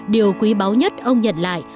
điều quý báu nhất ông nhận lại